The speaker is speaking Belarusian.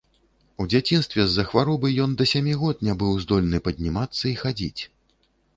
У дзяцінстве з-за хваробы ён да сямі год не быў здольны паднімацца і хадзіць.